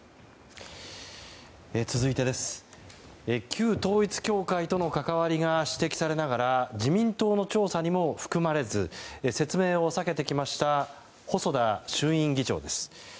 旧統一教会との関わりが指摘されながら自民党の調査にも含まれず説明を避けてきました細田衆院議長です。